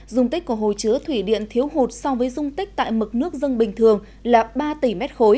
dung tích của hồ chứa thủy điện thiếu hụt so với dung tích tại mực nước dân bình thường là ba tỷ m ba